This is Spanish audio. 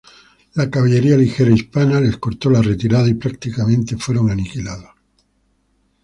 La caballería ligera hispana les cortó la retirada, y prácticamente fueron aniquilados.